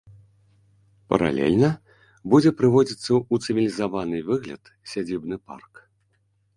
Паралельна будзе прыводзіцца ў цывілізаваны выгляд сядзібны парк.